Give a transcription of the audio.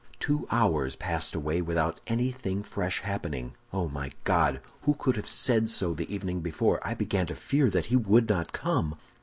"Two hours passed away without anything fresh happening. Oh, my God! who could have said so the evening before? I began to fear that he would not come.